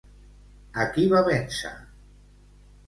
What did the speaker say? A qui va vèncer?